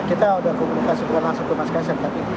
kita udah komunikasi dengan langsung ke mas kaisang